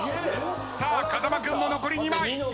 さあ風間君も残り２枚。